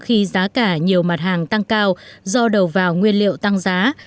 khi giá cả nhiều mặt hàng tăng cao do đầu vào nguyên liệu tăng giá